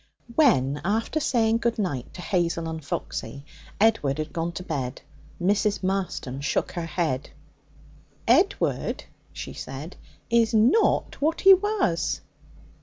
When, after saying good night to Hazel and Foxy, Edward had gone to bed, Mrs. Marston shook her head. 'Edward,' she said, 'is not what he was.'